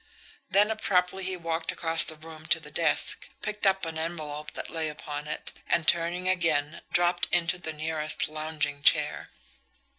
Then abruptly he walked across the room to the desk, picked up an envelope that lay upon it, and, turning again, dropped into the nearest lounging chair.